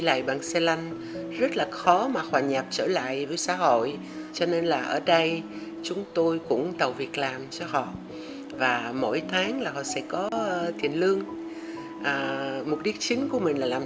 lại bằng xe lanh rất là nguy hiểm cảm ơn các bạn đã theo dõi và hẹn gặp lại